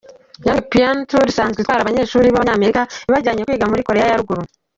Young Pioneer Tours, isanzwe itwara abanyeshuri b’Abanyamerika ibajyanye kwiga muri Koreya ya Ruguru.